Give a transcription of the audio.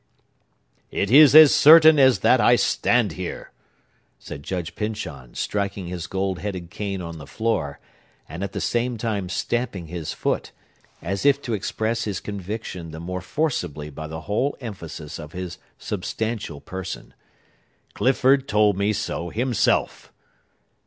"It is as certain as that I stand here!" said Judge Pyncheon, striking his gold headed cane on the floor, and at the same time stamping his foot, as if to express his conviction the more forcibly by the whole emphasis of his substantial person. "Clifford told me so himself!"